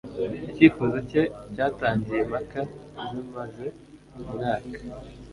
Icyifuzo cye cyatangiye impaka zimaze umwaka.